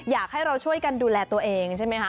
อยากให้เราช่วยกันดูแลตัวเองใช่ไหมคะ